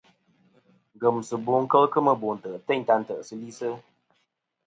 Ngemsiɨbo kel kemɨ no ntè' teyn ta ntè'sɨ li.